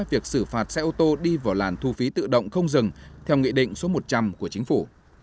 việc xử phạt xe ô tô đi vào làn thu phí tự động không dừng theo nghị định số một trăm linh của chính phủ